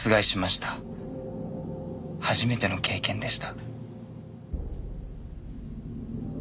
初めての経験でした。